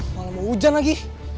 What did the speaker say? malah mau hujan lagi